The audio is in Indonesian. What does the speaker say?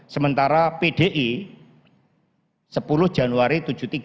sementara pdi sepuluh januari seribu sembilan ratus tiga puluh